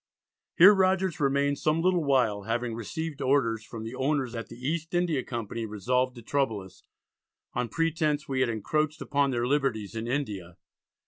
Here Rogers remained some little while, having received orders from the owners that the East India Company resolved to trouble us, "on pretence we had encroached upon their liberties in India."